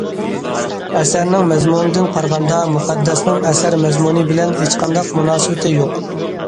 ئەسەرنىڭ مەزمۇنىدىن قارىغاندا، مۇقەددەسنىڭ ئەسەر مەزمۇنى بىلەن ھېچقانداق مۇناسىۋىتى يوق.